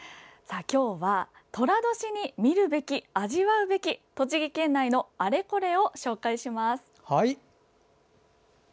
今日は、とら年に見るべき味わうべき栃木県内のあれこれを紹介します。